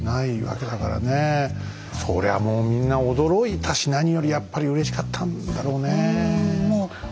そりゃもうみんな驚いたし何よりやっぱりうれしかったんだろうねえ。